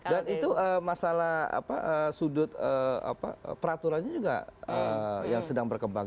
itu masalah sudut peraturannya juga yang sedang berkembang